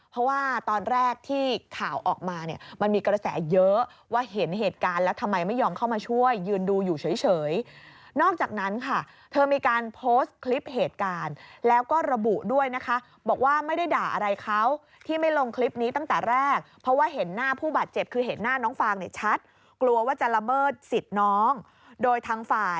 เพราะว่าตอนแรกที่ข่าวออกมาเนี่ยมันมีกระแสเยอะว่าเห็นเหตุการณ์แล้วทำไมไม่ยอมเข้ามาช่วยยืนดูอยู่เฉยนอกจากนั้นค่ะเธอมีการโพสต์คลิปเหตุการณ์แล้วก็ระบุด้วยนะคะบอกว่าไม่ได้ด่าอะไรเขาที่ไม่ลงคลิปนี้ตั้งแต่แรกเพราะว่าเห็นหน้าผู้บาดเจ็บคือเห็นหน้าน้องฟางเนี่ยชัดกลัวว่าจะละเมิดสิทธิ์น้องโดยทางฝ่าย